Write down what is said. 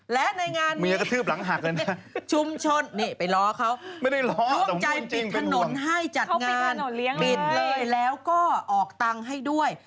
และในงานนี้ชุมชนเป็นร้องจ่ายปิดถนนให้จัดงานปิดเลยแล้วก็ออกตังค์ให้ด้วย